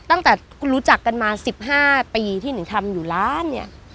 ตั้งแต่คุณรู้จักกันมา๑๕ปีที่หนิงทำอยู่ร้านเนี่ย